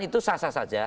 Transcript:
itu sah sah saja